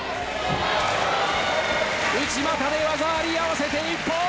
内股で技あり、合わせて一本！